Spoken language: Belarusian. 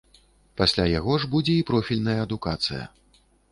Пасля яго ж будзе і профільная адукацыя.